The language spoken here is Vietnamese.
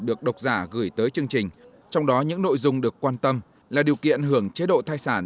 được độc giả gửi tới chương trình trong đó những nội dung được quan tâm là điều kiện hưởng chế độ thai sản